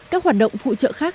các hoạt động phụ trợ khác